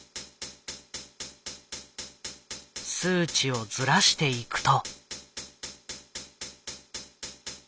数値をずらしていくと。